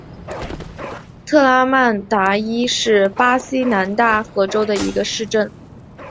特拉曼达伊是巴西南大河州的一个市镇。